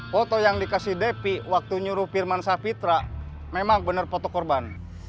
foto yang dikasih depi waktu nyuruh firman sapitra memang benar foto korban